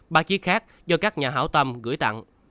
ba chiếc khác do các nhà hảo tâm gửi tặng